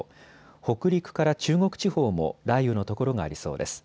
北陸から中国地方も雷雨の所がありそうです。